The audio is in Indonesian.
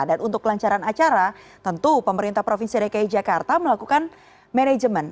dan untuk kelancaran acara tentu pemerintah provinsi dki jakarta melakukan manajemen